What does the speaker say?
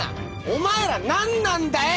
お前らなんなんだよ！？